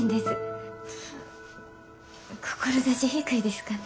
志低いですかね？